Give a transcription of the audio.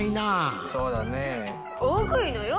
そうだね。